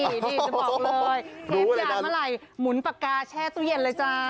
นี่จะบอกเลยรีบยานเมื่อไหร่หมุนปากกาแช่ตู้เย็นเลยจ้า